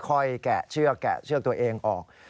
แกะเชือกแกะเชือกตัวเองออก